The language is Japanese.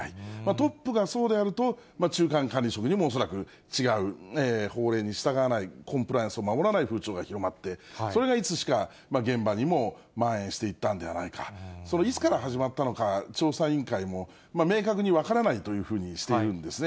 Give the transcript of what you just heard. トップがそうであると、中間管理職にも恐らく、違う、法令に従わない、コンプライアンスを守らない風潮が広まって、それがいつしか、現場にもまん延していったんではないか、そのいつから始まったのか、調査委員会も明確に分からないというふうにしているんですね。